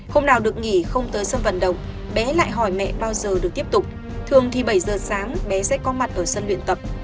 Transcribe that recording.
hôm nào được nghỉ không tới sân vận động bé lại hỏi mẹ bao giờ được tiếp tục thường thì bảy giờ sáng bé sẽ có mặt ở sân luyện tập